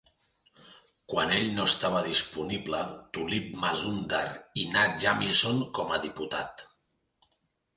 Quan ell no estava disponible, Tulip Mazumdar i Nat Jamieson com a diputat.